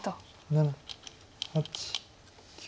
７８９。